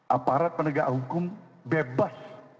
aparat penegak hukum bebas